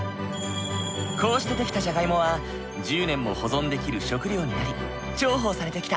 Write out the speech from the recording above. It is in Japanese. こうして出来たじゃがいもは１０年も保存できる食料になり重宝されてきた。